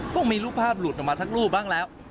ต้องมีรูปภาพหลุดออกมาสักรูปบ้างแล้ว